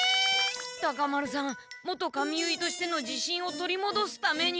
タカ丸さん元髪結いとしての自信を取りもどすために。